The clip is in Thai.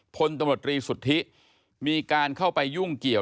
พลตสุธิมีการเข้าไปยุ่งเกี่ยว